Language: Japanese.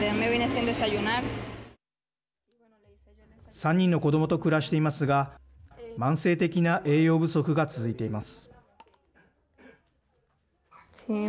３人の子どもと暮らしていますが慢性的な栄養不足が続いています。